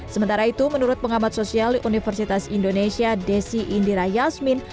sementara itu menurut pengamat sosial universitas indonesia desi indira yasmin